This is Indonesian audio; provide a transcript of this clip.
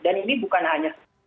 dan ini bukan hanya